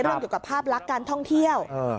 เรื่องเกี่ยวกับภาพลักษณ์การท่องเที่ยว